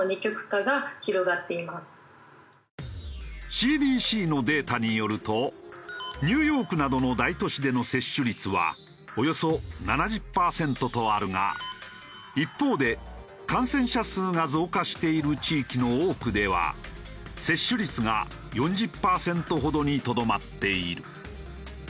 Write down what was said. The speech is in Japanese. ＣＤＣのデータによるとニューヨークなどの大都市での接種率はおよそ７０パーセントとあるが一方で感染者数が増加している地域の多くでは接種率が４０パーセントほどにとどまっている。